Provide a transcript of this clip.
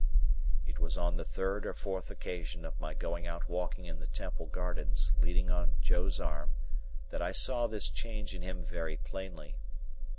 It was on the third or fourth occasion of my going out walking in the Temple Gardens leaning on Joe's arm, that I saw this change in him very plainly.